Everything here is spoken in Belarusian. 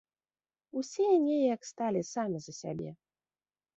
Усе неяк сталі самі за сябе.